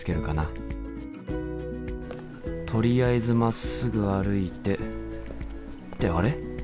とりあえずまっすぐ歩いてってあれ？